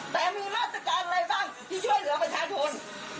แต่มีราชการอะไรบ้างที่ช่วยเหลือประชาชน